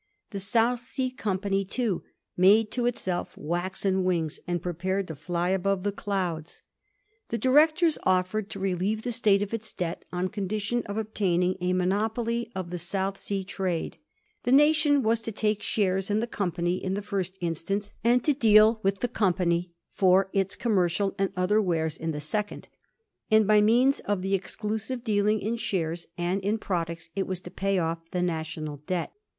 The South Sea Company, too, made to itself waxen wings, and prepared to fly above the clouds. The directors oflfered to relieve the State of its debt on condition of obtaining a monopoly of the South Sea trade. The nation was to take shares in the com pany in the first instance; and to deal with the Digiti zed by Google 246 A HISTORY OF THE FOUR GEORGES. ch. xu company, for its commercial and other wares, in the second ; and by means of the exclusive dealing in shares and in products it was to pay off the National Debt.